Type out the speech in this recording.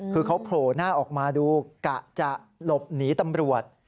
คือเขาโผล่หน้าออกมาดูกะจะหลบหนีตำรวจ